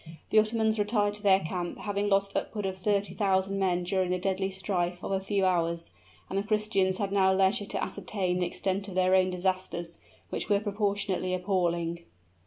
The Ottomans retired to their camp, having lost upward of thirty thousand men during the deadly strife of a few hours; and the Christians had now leisure to ascertain the extent of their own disasters, which were proportionately appalling.